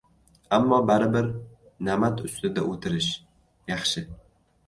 Ammo baribir namat ustida o'tirish - yaxshi.